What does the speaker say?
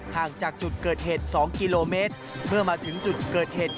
ห่างจากจุดเกิดเหตุ๒กิโลเมตรเมื่อมาถึงจุดเกิดเหตุ